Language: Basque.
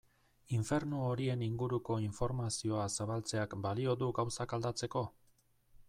Infernu horien inguruko informazioa zabaltzeak balio du gauzak aldatzeko?